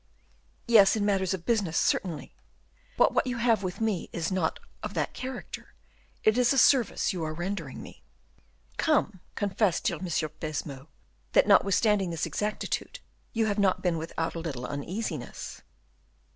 "Yes, in matters of business, certainly; but what you have with me is not of that character; it is a service you are rendering me." "Come, confess, dear M. de Baisemeaux, that, notwithstanding this exactitude, you have not been without a little uneasiness."